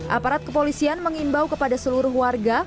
aparat kepolisian mengimbau kepada seluruh warga